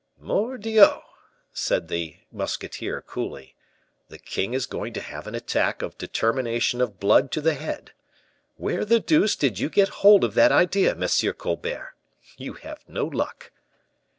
"Mordioux!" said the musketeer, coolly, "the king is going to have an attack of determination of blood to the head. Where the deuce did you get hold of that idea, Monsieur Colbert? You have no luck."